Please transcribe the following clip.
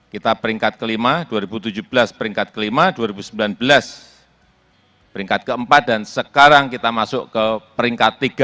dua ribu lima belas kita peringkat ke lima dua ribu tujuh belas peringkat ke lima dua ribu sembilan belas peringkat ke empat dan sekarang kita masuk ke peringkat tiga